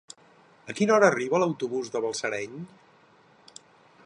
A quina hora arriba l'autobús de Balsareny?